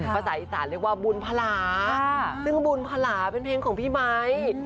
ภาษาอีสานเรียกว่าบุญพลาซึ่งบุญพลาเป็นเพลงของพี่ไมค์